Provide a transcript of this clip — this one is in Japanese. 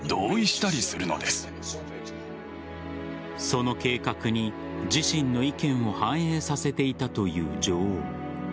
その計画に自身の意見を反映させていたという女王。